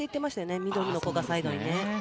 ミドルの子がサイドにね。